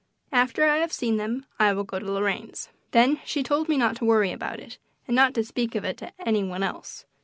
After I have seen them I will go to Lorraine's." Then she told me not to worry about it, and not to speak of it to any one else.